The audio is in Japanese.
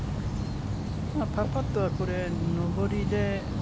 パーパットはこれ、上りで。